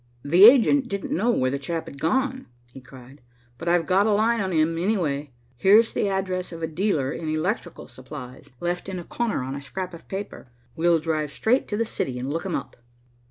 "The agent didn't know where the chap had gone," he cried, "but I've got a line on him, anyway. Here's the address of a dealer in electrical supplies, left in a corner on a scrap of paper. We'll drive straight to the city and look him up."